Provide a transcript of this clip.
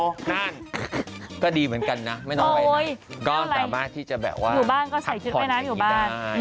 นานก็ดีเหมือนกันนะไม่ต้องไปไหนก็สามารถที่จะแบบว่าตัดผ่อนอยู่บ้าน